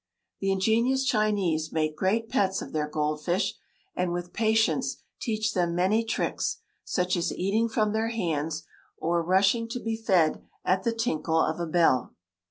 The ingenious Chinese make great pets of their gold fish, and with patience teach them many tricks, such as eating from their hands, or rushing to be fed at the tinkle of a bell.